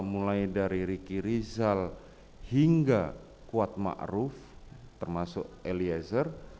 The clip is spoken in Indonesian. mulai dari riki rizal hingga kuatma aruf termasuk eliezer